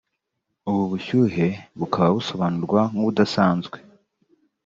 ubu bushyuhe bukaba busobanurwa nk’ubudasanzwe